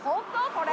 これ？